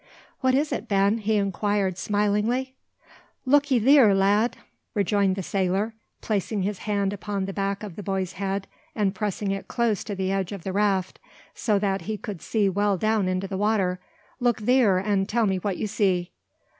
"What is it, Ben?" he inquired, smilingly. "Look 'ee theer, lad," rejoined the sailor, placing his hand upon the back of the boy's head, and pressing it close to the edge of the raft, so that he could see well down into the water, "look theer, and tell me what you see."